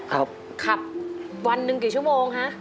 ขับขับวันหนึ่งกี่ชั่วโมงฮะ